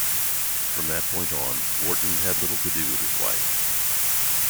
From that point on, Wharton had little to do with his wife.